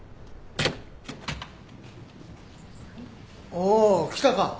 おー来たか。